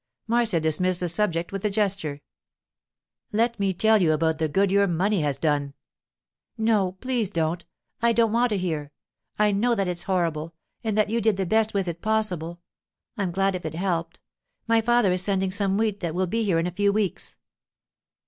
Marcia dismissed the subject with a gesture. 'Let me tell you about the good your money has done.' 'No, please don't! I don't want to hear. I know that it's horrible, and that you did the best with it possible. I'm glad if it helped. My father is sending some wheat that will be here in a few weeks.